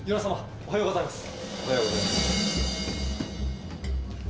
おはようございます。